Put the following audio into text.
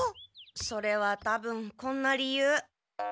それはたぶんこんな理由。